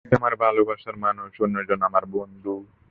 একজন আমার ভালবাসার মানুষ, আর অন্যজন আমার বন্ধু।